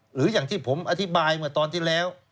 หรืออย่างที่ผมอธิบายเมื่อตอนที่แล้ว